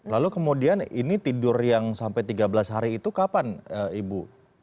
lalu kemudian ini tidur yang sampai tiga belas hari itu kapan ibu